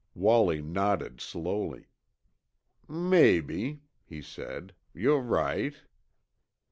Wallie nodded slowly. "Maybe," he said, "you're right.